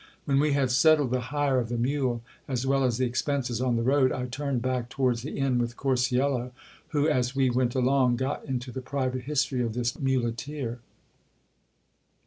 When we had settled the hire of the mule, as well as the expenses on the road, I turned back towards the inn with Corcuelo, who, as we went along, got into the private history of this mule teer.